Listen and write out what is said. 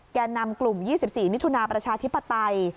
แก่นำกลุ่ม๒๔มิถุนาประชาธิปไตย